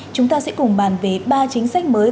chúng ta sẽ cùng bàn về ba chính sách mới